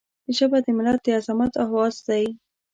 ژبه د ملت د عظمت آواز دی